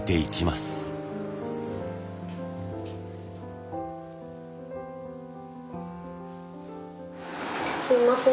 すいません。